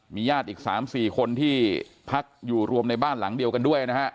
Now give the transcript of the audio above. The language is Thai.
ญาติอีก๓๔คนที่พักอยู่รวมในบ้านหลังเดียวกันด้วยนะฮะ